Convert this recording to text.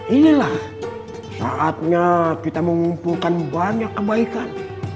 inilah saatnya kita mengumpulkan banyak kebaikan